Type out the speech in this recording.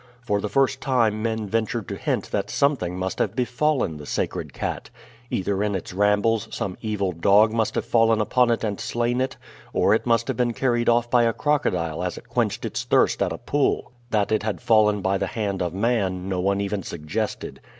For the first time men ventured to hint that something must have befallen the sacred cat. Either in its rambles some evil dog must have fallen upon it and slain it, or it must have been carried off by a crocodile as it quenched its thirst at a pool. That it had fallen by the hand of man no one even suggested.